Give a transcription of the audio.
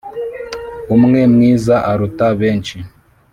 umwe mwiza aruta benshi,